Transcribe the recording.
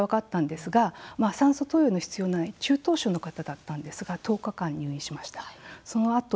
それで感染が分かったんですが酸素投与の必要ない中等症の方だったんですが１０日間入院しました。